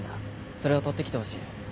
それを取ってきてほしい。